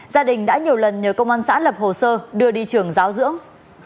gia đình đã nhiều lần nhờ công an xã lập hồ sơ đưa đi trường giáo dưỡng